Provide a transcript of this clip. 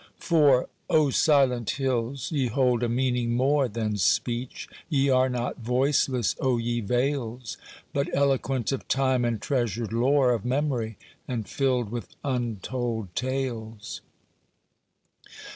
IV O silent hills! ye hold a meaning more Than speech; ye are not voiceless, O ye vales! But eloquent of time and treasured lore Of memory, and filled with untold tales.